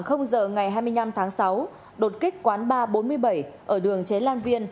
khoảng giờ ngày hai mươi năm tháng sáu đột kích quán bar bốn mươi bảy ở đường chế lan viên